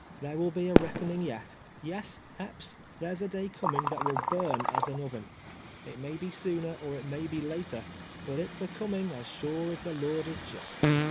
Tliere will be a reckoning yet — yes, Epps, there's a day coming that will burn as an oven. It may be sooner or it may be later, but it's a coming as sure as the Lord is just."